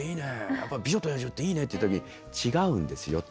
やっぱ『美女と野獣』っていいね！」って言った時に違うんですよと。